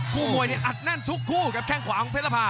คู่มวยเนี่ยอัดแน่นทุกคู่ครับแข้งขวาของเพชรภา